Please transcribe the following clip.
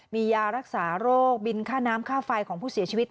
มียารักษาโรคบินค่าน้ำค่าไฟของผู้เสียชีวิต